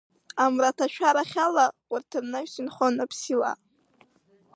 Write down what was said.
Амраҭашәарахь ала урҭ рнаҩс инхон аԥсилаа.